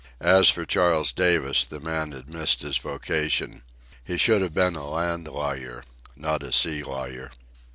As for Charles Davis, the man had missed his vocation. He should have been a land lawyer, not a sea lawyer.